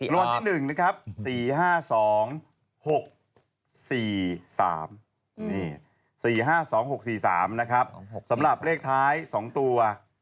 รวมที่๑นะครับ๔๕๒๖๔๓สำหรับเลขท้าย๒ตัว๙๙